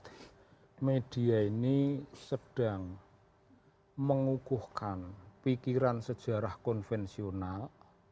saya lihat media ini sedang mengukuhkan pikiran sejarah konvensional